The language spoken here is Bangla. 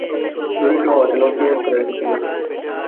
দরিদ্র হওয়াতে লজ্জাবোধ করার কিছু নেই।